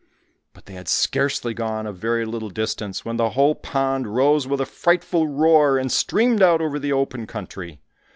But they had scarcely gone a very little distance, when the whole pond rose with a frightful roar, and streamed out over the open country.